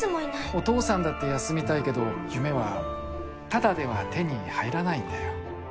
お父さんだって休みたいけど夢はタダでは手に入らないんだよ。